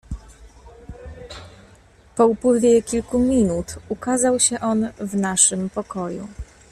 "Po upływie kilku minut ukazał się on w naszym pokoju."